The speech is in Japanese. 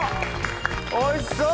おいしそう！